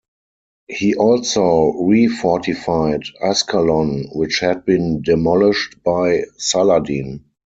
He also refortified Ascalon, which had been demolished by Saladin.